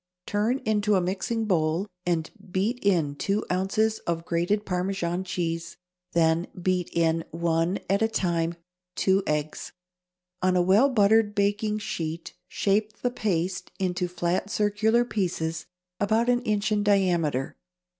Turn into a mixing bowl and beat in two ounces of grated Parmesan cheese; then beat in, one at a time, two eggs. On a well buttered baking sheet shape the paste into flat circular pieces about an inch in diameter.